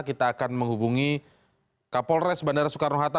kita akan menghubungi kapolres bandara soekarno hatta